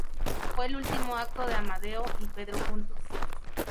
Fue el último acto de Amadeo y Pedro juntos.